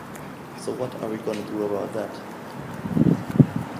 So what are we gonna do about that?